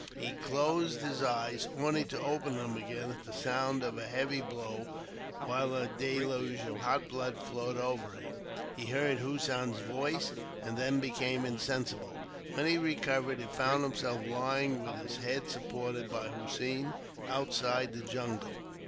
He closed his eyes, only to open them again at the sound of a heavy blow, while a deluge of hot blood flowed over him. He heard Hossein's voice, and then became insensible. When he recovered, he found himself lying with his head supported by Hossein, outside the jungle.